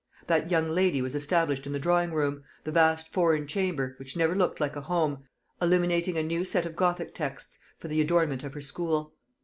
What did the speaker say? That young lady was established in the drawing room the vast foreign chamber, which never looked like a home illuminating a new set of Gothic texts for the adornment of her school.